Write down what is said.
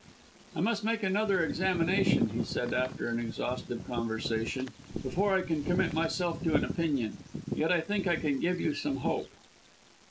"I must make another examination," he said, after an exhaustive conversation, "before I can commit myself to an opinion. Yet I think I can give you some hope."